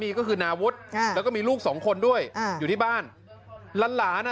นี่ก็คือนาวุฒิค่ะแล้วก็มีลูกสองคนด้วยอ่าอยู่ที่บ้านหลานหลานอ่ะ